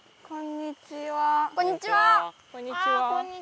こんにちは。